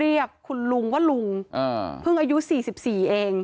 เรียกคุณลุงว่าลุงเพิ่งอายุ๔๔เอง